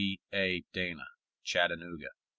C. A. DANA, Chattanooga.